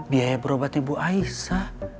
biaya berobatnya bu aisyah